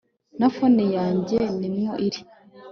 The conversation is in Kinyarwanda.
na phone yanjye nimwo iri